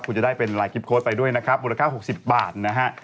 คุณจะได้เป็นไลน์กิฟต์โค้ดไปด้วยนะครับบุญละ๙๖๐บาทนะฮะ